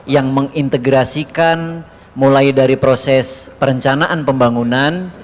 yang mengintegrasikan mulai dari proses perencanaan pembangunan